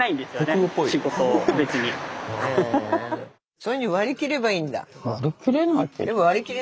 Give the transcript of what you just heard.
そういうふうに割り切ればいいんだ。